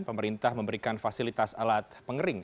pemerintah memberikan fasilitas alat pengering